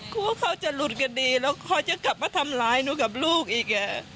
ว่าเขาจะหลุดกันดีแล้วเขาจะกลับมาทำร้ายหนูกับลูกอีก